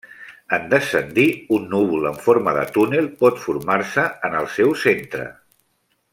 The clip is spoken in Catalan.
En descendir, un núvol en forma de túnel pot formar-se en el seu centre.